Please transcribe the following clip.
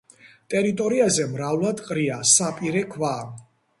ტერიტორიაზე მრავლად ყრია საპირე ქვა.